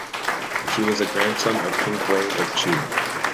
He was a grandson of King Huai of Chu.